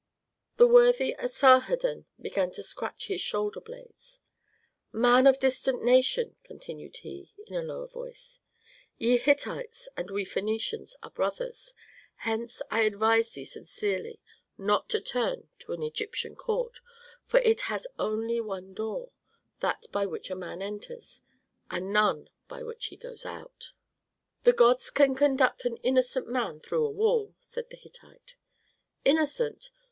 The worthy Asarhadon began to scratch his shoulder blades. "Man of a distant region," continued he, in a lower voice, "ye Hittites and we Phœnicians are brothers, hence I advise thee sincerely not to turn to an Egyptian court, for it has only one door, that by which a man enters, but none by which he goes out." "The gods can conduct an innocent man through a wall," said the Hittite. "Innocent!